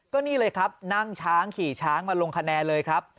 ก็นี่เลยครับนั่งช้างขี่ช้างมาลงคะแนนเลยครับ